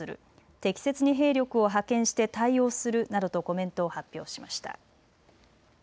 適切に兵力を派遣して対応するなどとコメントを発表しました。